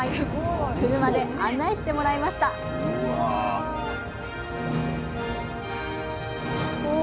車で案内してもらいましたうわ。